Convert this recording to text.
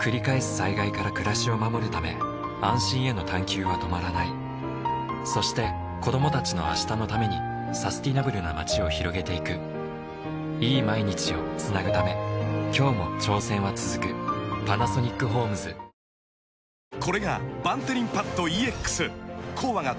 災害から暮らしを守るため安心への探究は止まらないそして子供たちの明日のためにサスティナブルな街を拡げていくいい毎日をつなぐため今日も挑戦はつづくパナソニックホームズ一らん！